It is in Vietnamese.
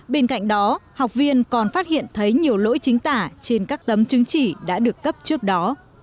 bên cạnh đó học viên còn phát hiện thấy nhiều lỗi chính tả trên các tấm chứng chỉ đã được cấp trước đó